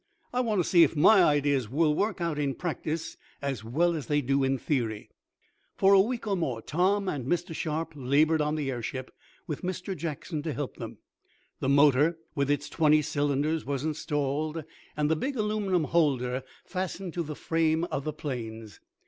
I want to see if my ideas will work out in practice as well as they do in theory." For a week or more Tom and Mr. Sharp labored on the airship, with Mr. Jackson to help them. The motor, with its twenty cylinders, was installed, and the big aluminum holder fastened to the frame of the planes.